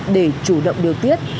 để chủ động điều tiết